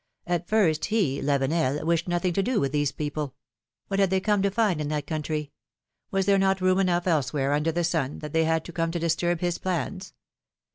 At first, he, Lavenel, v/ished nothing to do with those people; what had they come to find in that country? Yv^as there not room enough elsewhere under the sun, that they had to 78 PHILOM^:NE's MARRIAGES. come to disturb his plans